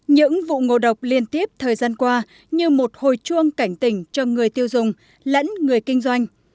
những vụ ngộ độc liên tiếp thời gian qua như một hồi chuông cảnh tỉnh cho người tiêu dùng lẫn người kinh doanh